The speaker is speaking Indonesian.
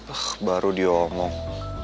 ah baru dia omong